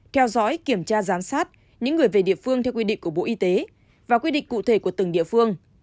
theo dõi kiểm tra giám sát những người về địa phương theo quy định của bộ y tế và quy định cụ thể của từng địa phương